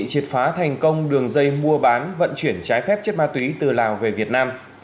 triệt phá thành công đường dây mua bán vận chuyển trái phép chất ma túy từ lào về việt nam